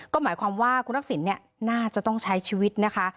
ก็หมายความว่าคุณทักษิณน่าจะต้องใช้ชีวิตนะคะ